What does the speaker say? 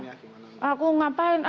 ngapain tellah sumpah lagu apaan yang